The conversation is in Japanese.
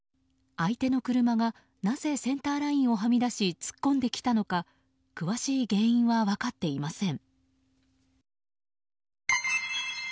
相手の車がなぜセンターラインをはみ出し突っ込んできたのか詳しい原因は分かっていません。